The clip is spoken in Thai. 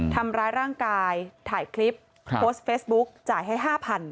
ทำร้ายร่างกายถ่ายคลิปโพสต์เฟซบุ๊กจ่ายให้๕๐๐